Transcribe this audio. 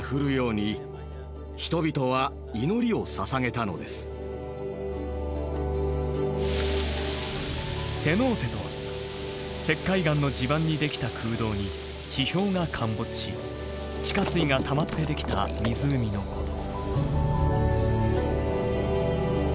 そのためセノーテとは石灰岩の地盤にできた空洞に地表が陥没し地下水がたまってできた湖のこと。